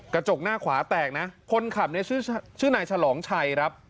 กระจกหน้าขวาแตกนะคนขับเนี่ยชื่อนายฉลองชัยครับ